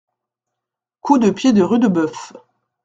Coup de pied de Rudebeuf.